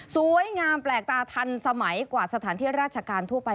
สวยงามแปลกตาทันสมัยกว่าสถานที่ราชการทั่วไป